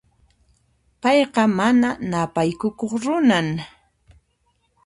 Payqa mana ñapaykukuq runan.